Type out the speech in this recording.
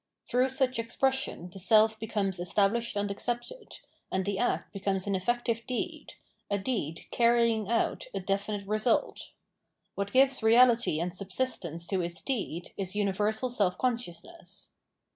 Through such expression the self becomes estab lished and accepted, and the act becomes an effective deed, a deed carrying out a definite result. What gives reality and subsistence to its deed is universal self consciousness.